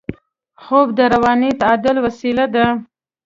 خوب د رواني تعادل وسیله ده